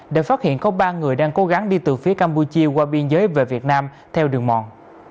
để phát hiện có ba người đang cố gắng đi từ phía campuchia qua biên giới về việt nam theo đường mòn